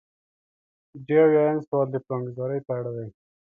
درې اویایم سوال د پلانګذارۍ په اړه دی.